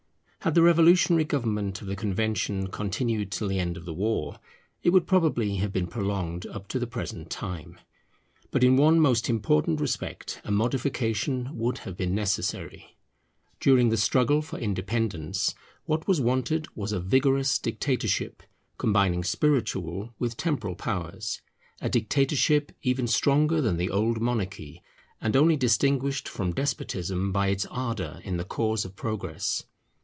Had the revolutionary government of the Convention continued till the end of the war, it would probably have been prolonged up to the present time. But in one most important respect a modification would have been necessary. During the struggle for independence what was wanted was a vigorous dictatorship, combining spiritual with temporal powers: a dictatorship even stronger than the old monarchy, and only distinguished from despotism by its ardour in the cause of progress.